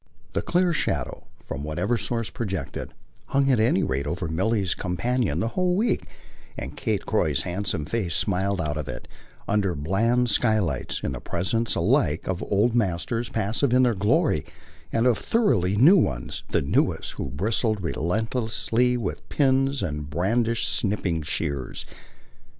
The clear shadow, from whatever source projected, hung at any rate over Milly's companion the whole week, and Kate Croy's handsome face smiled out of it, under bland skylights, in the presence alike of old masters passive in their glory and of thoroughly new ones, the newest, who bristled restlessly with pins and brandished snipping shears.